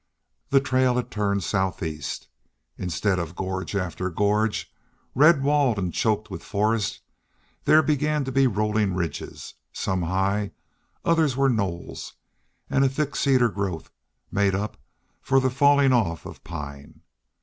The trail had turned southeast. Instead of gorge after gorge, red walled and choked with forest, there began to be rolling ridges, some high; others were knolls; and a thick cedar growth made up for a falling off of pine.